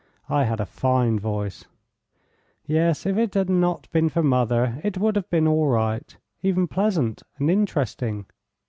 I had a fine voice yes, if it had not been for mother it would have been all right, even pleasant and interesting.